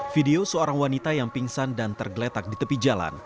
video seorang wanita yang pingsan dan tergeletak di tepi jalan